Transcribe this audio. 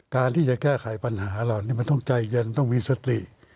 การที่จะแก้ไขปัญหาเหล่านี้มันต้องใจเย็นต้องมีสติ